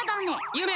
ゆめ！